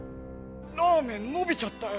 ラーメンのびちゃったよ。